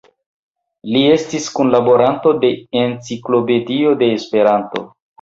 Li estis kunlaboranto de "Enciklopedio de Esperanto".